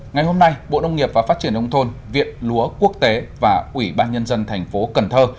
ngày hôm nay bộ nông nghiệp và phát triển nông thôn viện lúa quốc tế và ủy ban nhân dân thành phố cần thơ